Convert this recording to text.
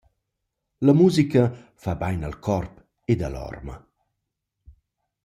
La musica fa bain al corp ed a l’orma.